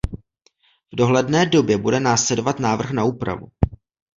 V dohledné době bude následovat návrh na úpravu.